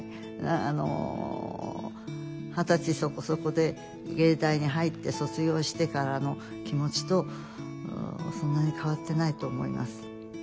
あの二十歳そこそこで藝大に入って卒業してからの気持ちとそんなに変わってないと思います。